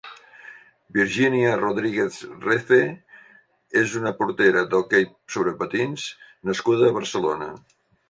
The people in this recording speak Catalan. Virginia Rodríguez Rece és una portera d'hoquei sobre patins nascuda a Barcelona.